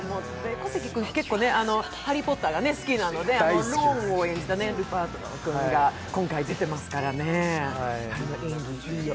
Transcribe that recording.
小関君、ハリー・ポッターが好きなので、ロンを演じたルパートが今回出ていますから、あの演技、いいよ。